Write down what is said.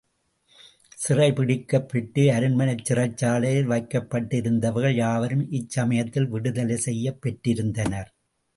சிறைப் பிடிக்கப் பெற்று அரண்மனைச் சிறைச்சாலையில் வைக்கப்பட்டிருந்தவர்கள் யாவரும் இச்சமயத்தில் விடுதலை செய்யப் பெற்றிருந்தனர்.